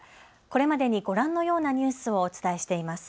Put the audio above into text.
これまでにご覧のようなニュースをお伝えしています。